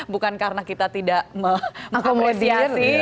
bukan karena kita tidak mengakomodiasi